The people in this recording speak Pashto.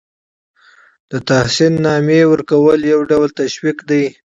د تحسین نامې ورکول یو ډول تشویق دی.